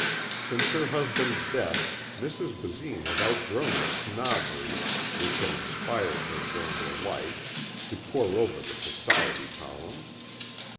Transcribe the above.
Since her husband's death Mrs. Basine had outgrown the snobbery which had inspired her during her life to pour over the society columns.